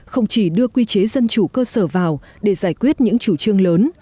không chỉ đưa quy chế dân chủ cơ sở vào để giải quyết những chủ trương lớn